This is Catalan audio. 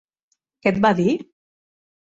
Què et va dir?